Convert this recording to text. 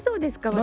私。